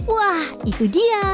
wah itu dipercaya